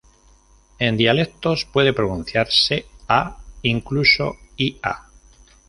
En dialectos, puede pronunciarse "a", incluso "ia".